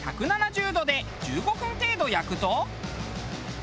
１７０度で１５分程度焼くと。